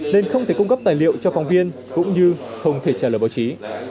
nên không thể cung cấp tài liệu cho phóng viên cũng như không thể trả lời báo chí